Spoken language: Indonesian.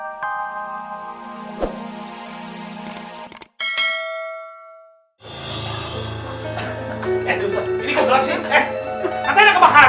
eh katanya kebakaran mana kebakarannya